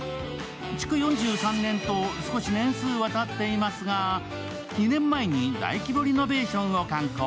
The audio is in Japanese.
築４３年と少し年数はたっていますが、２年前に大規模リノベーションを敢行。